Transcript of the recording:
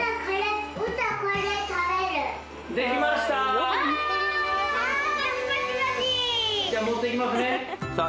はいじゃあ持っていきますねさあ